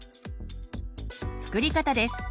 作り方です。